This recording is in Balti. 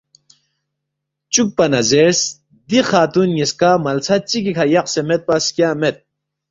چُوکپا نہ زیرس، ”دی خاتون نِ٘یسکا ملسہ چِگِی کھہ یقسے میدپا سکیا مید